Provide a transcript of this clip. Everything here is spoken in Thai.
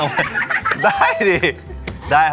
อิ้นไดป้ะ